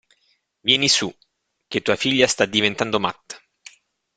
Vieni su, che tua figlia sta diventando matta!